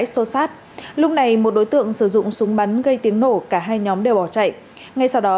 xô xát lúc này một đối tượng sử dụng súng bắn gây tiếng nổ cả hai nhóm đều bỏ chạy ngay sau đó